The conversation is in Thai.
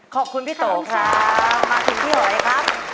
ขอบคุณพี่โต๊ะครับมากินที่ไหนครับ